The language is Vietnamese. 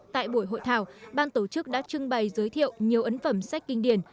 tại buổi hội thảo ban tổ chức đã trưng bày giới thiệu nhiều ấn phẩm sách kinh điển